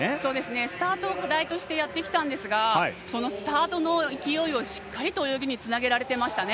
スタートを課題としてやってきたんですがそのスタートの勢いをしっかりと泳ぎにつなげられていましたね。